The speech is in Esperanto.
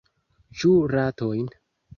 Ĉu ratojn?